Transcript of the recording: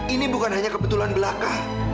ini bukan hanya kebetulan belaka